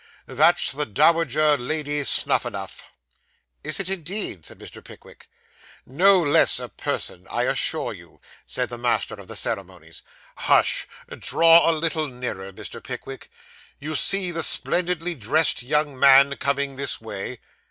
That's the Dowager Lady Snuphanuph.' 'Is it, indeed?' said Mr. Pickwick. 'No less a person, I assure you,' said the Master of the Ceremonies. 'Hush. Draw a little nearer, Mr. Pickwick. You see the splendidly dressed young man coming this way?